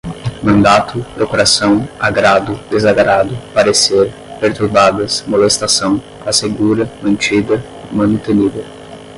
mandato, procuração, agrado, desagrado, parecer, perturbadas, molestação, assegura, mantida, manutenida